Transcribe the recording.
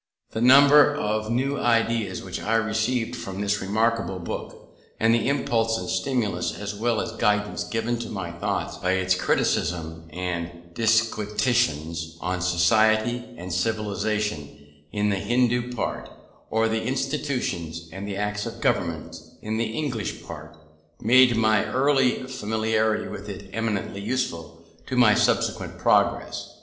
The number of new ideas which I received from this remarkable book, and the impulse and stimulus as well as guidance given to my thoughts by its criticism and disquisitions on society and civilization in the Hindoo part, on institutions and the acts of governments in the English part, made my early familiarity with it eminently useful to my subsequent progress.